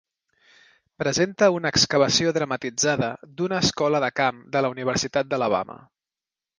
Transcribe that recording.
Presenta una excavació dramatitzada d'una escola de camp de la Universitat d'Alabama.